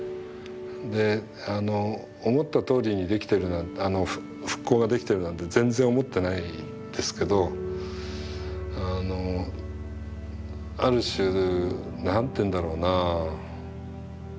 で思ったとおりにできてるなんて復興ができてるなんて全然思ってないですけどある種何ていうんだろうなぁ。